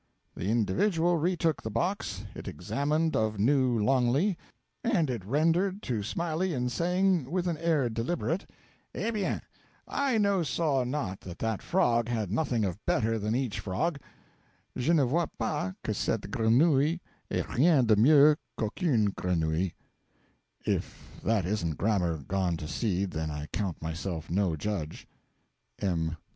The individual retook the box, it examined of new longly, and it rendered to Smiley in saying with an air deliberate: 'Eh bien! I no saw not that that frog had nothing of better than each frog.' (Je ne vois pas que cette grenouille ait rien de mieux qu'aucune grenouille.) (If that isn't grammar gone to seed, then I count myself no judge. M.